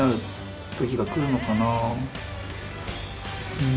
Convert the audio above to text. うん。